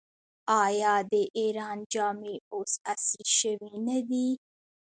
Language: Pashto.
آیا د ایران جامې اوس عصري شوې نه دي؟